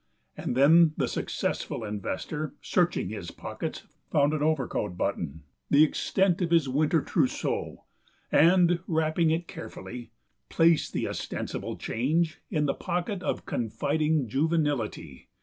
And then the successful investor, searching his pockets, found an overcoat button the extent of his winter trousseau and, wrapping it carefully, placed the ostensible change in the pocket of confiding juvenility.